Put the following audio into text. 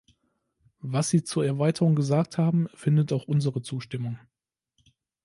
Was Sie zur Erweiterung gesagt haben, findet auch unsere Zustimmung.